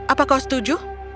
apa kau setuju